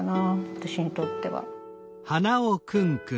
私にとっては。